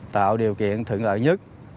tạo điều kiện thượng lợi nhất